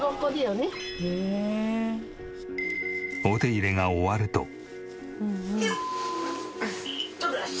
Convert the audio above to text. お手入れが終わると。